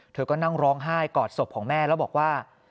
เธอก็นั่งร้องไห้กอดศพของแม่แล้วบอกว่า